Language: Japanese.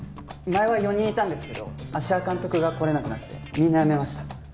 前は４人いたんですけど芦屋監督が来れなくなってみんなやめました。